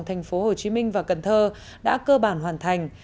thành phố hồ chí minh và cần thơ đã cơ bản hoàn thành